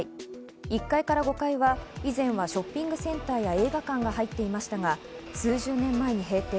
１階から５階は以前はショッピングセンターや映画館が入っていましたが、数十年前に閉店。